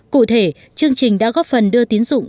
cụ thể chương trình đã góp phần đưa tín dụng